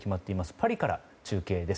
パリから中継です。